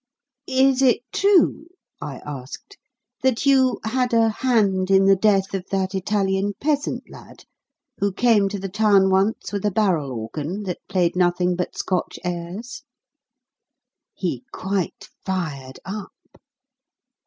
"Is it true," I asked, "that you had a hand in the death of that Italian peasant lad who came to the town once with a barrel organ that played nothing but Scotch airs?" He quite fired up.